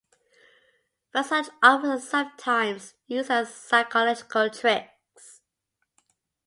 But such offers are sometimes used as psychological tricks.